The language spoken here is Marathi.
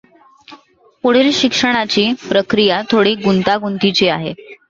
पुढील शिक्षणाची प्रक्रीया थोडी गुंतागुंतीची आहे.